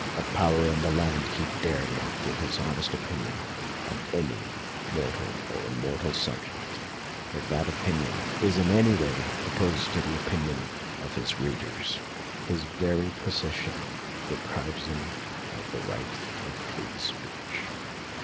A power in the land, he dare not give his honest opinion on any mortal or immortal subject if that opinion is in any way opposed to the opinion of his readers. His very position deprives him of the right of free speech.